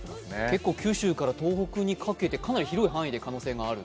結構、九州から東北にかけてかなり広い範囲で可能性がある。